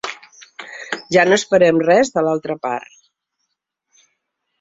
Ja no esperem res de l’altra part.